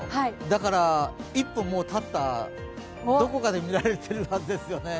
だから、１分もうたった、どこかで見られているはずですよね。